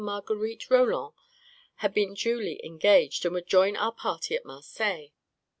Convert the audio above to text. Marguerite Roland had been duly engaged, and would join our party at Marseilles.